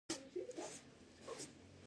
ګیوم یې په بې رحمانه ډول په دار وځړاوه.